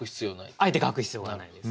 あえて書く必要がないです。